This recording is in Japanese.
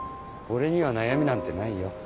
俺には悩みなんてないよ。